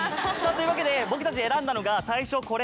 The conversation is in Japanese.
というわけで僕たち選んだのが最初これ。